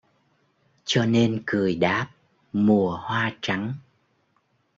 Cho nên cười đáp:'Mùa hoa trắng